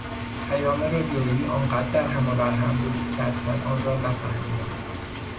پیام رادیویی آنقدر در هم و برهم بود که اصلا آن را نفهمیدم.